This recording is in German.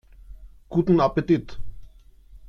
Guten Appetit!